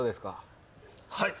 はい。